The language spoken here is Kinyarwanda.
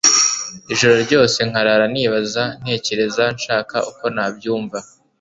ijoro ryose nkarara nibaza, ntekereza nshaka uko nabyumva